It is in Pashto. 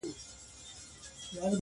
دا هوښیار چي دی له نورو حیوانانو-